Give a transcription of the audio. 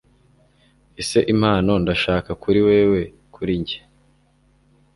ese impano ndashaka kuri wewe kuri njye